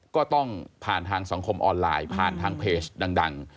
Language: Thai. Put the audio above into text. ก็ต้องผ่านทางสังคมออนไลน์ผ่านทางเพจดัง